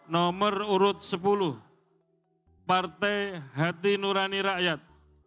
nomor urut sepuluh partai hati nurani rakyat